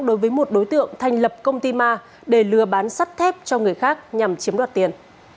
đối với một đối tượng thành lập công ty ma để lừa bán sắt thép cho người khác nhằm chiếm đoạt tiền